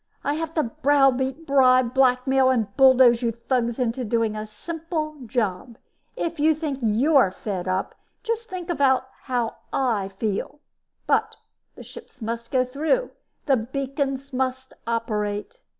I have to browbeat, bribe, blackmail and bulldoze you thugs into doing a simple job. If you think you're fed up, just think how I feel. But the ships must go through! The beacons must operate!"